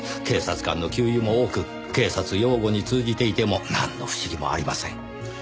警察官の給油も多く警察用語に通じていてもなんの不思議もありません。